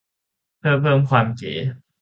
เพื่อเพิ่มความเก๋